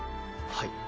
はい。